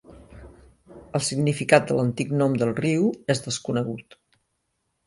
El significat de l'antic nom del riu és desconegut.